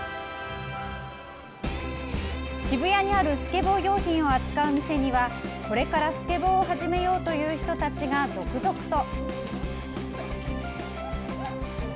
渋谷にあるスケボー用品を扱う店にはこれからスケボーを始めようという人たちが続々と。